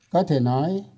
có thể nói